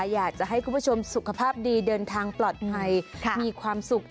อยากจะให้คุณผู้ชมสุขภาพดีเดินทางปลอดภัยมีความสุข